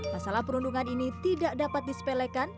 masalah perundungan ini tidak dapat dispelekan